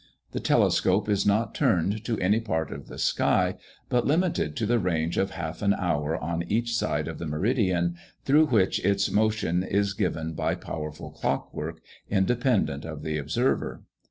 The telescope is not turned to any part of the sky, but limited to the range of half an hour on each side of the meridian, through which its motion is given by powerful clockwork, independent of the observer.